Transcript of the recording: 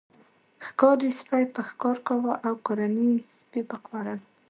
ښکاري سپي به ښکار کاوه او کورني سپي به خوړل.